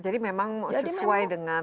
jadi memang sesuai dengan